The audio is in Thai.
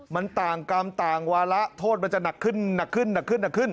มันต่างกรรมต่างวาระโทษมันจะหนักขึ้นหนักขึ้นหนักขึ้นหนักขึ้น